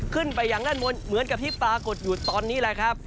ไปอย่างด้านบนเหมือนกับที่ปรากฏอยู่ตอนนี้แหละครับ